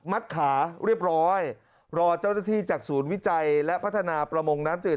ขาเรียบร้อยรอเจ้าหน้าที่จากศูนย์วิจัยและพัฒนาประมงน้ำจืด